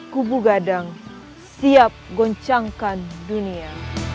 kubu gadang siap goncangkan dunia